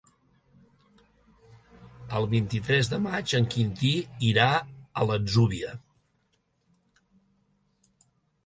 El vint-i-tres de maig en Quintí irà a l'Atzúbia.